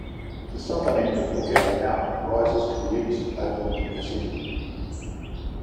The southern end of Lookout Mountain rises to the east overlooking the city.